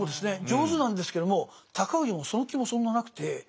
上手なんですけども高氏もその気もそんななくて。